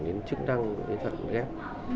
đến chức tăng đến thận ghép